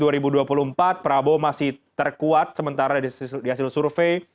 pertama nama di capres dua ribu dua puluh empat prabowo masih terkuat sementara di hasil survei